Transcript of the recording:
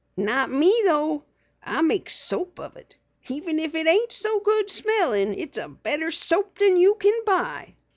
Not me though. I make soap of it. Even if it ain't so good smellin' it's better soap than you can buy."